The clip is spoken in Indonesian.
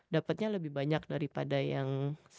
dapetnya lebih banyak daripada yang